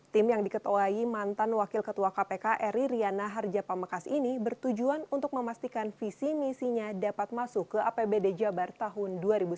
tim yang diketuai mantan wakil ketua kpk eri riana harja pamekas ini bertujuan untuk memastikan visi misinya dapat masuk ke apbd jabar tahun dua ribu sembilan belas